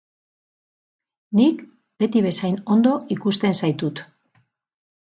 Nik beti bezain ondo ikusten zaitut.